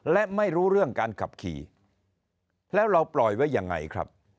และไม่รู้เรื่องการขับขี่แล้วเราปล่อยไว้ยังไงครับ